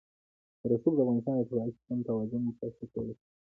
رسوب د افغانستان د طبعي سیسټم توازن په ښه توګه ساتي.